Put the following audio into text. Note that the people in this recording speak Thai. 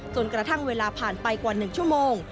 จนกระทั่งเวลาผ่านไปกว่า๑ชั่วโมง